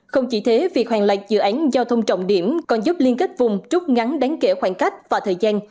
không chỉ thế việc hoàn lạch dự án giao thông trọng điểm còn giúp liên kết vùng trút ngắn đáng kể khoảng cách và thời gian